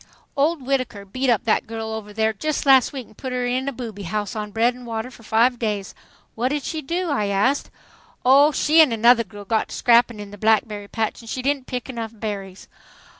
"Old Whittaker beat up that girl over there just last week and put her in the 'booby' house on bread and water for five days." "What did she do?" I asked. "Oh, she an' another girl got to scrapping in the blackberry patch and she didn't pick enough berries.